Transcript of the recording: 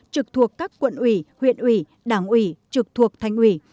trực thuộc các quận ủy huyện ủy đảng ủy trực thuộc thành ủy